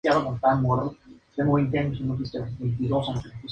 Erskine tiene ascendencia japonesa.